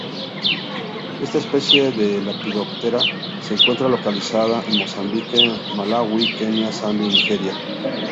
Esta especie de Lepidoptera se encuentra localizada en Mozambique, Malaui, Kenia, Zambia y Nigeria.